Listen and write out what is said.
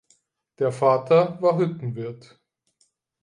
Der Vater war Hüttenwirt.